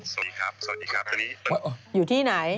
สวัสดีครับทีนี้